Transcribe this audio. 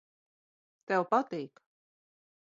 Tev patīk.